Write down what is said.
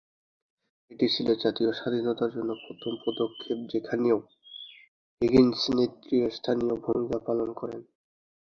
এটি ছিল জাতীয় স্বাধীনতার জন্য প্রথম পদক্ষেপ যেখানে ও’হিগিন্স নেতৃত্তস্থানীয় ভূমিকা পালন করেন।